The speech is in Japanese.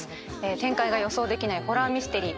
展開が予想できないホラーミステリー。